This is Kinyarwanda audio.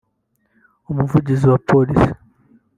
umuvugizi wa Polisi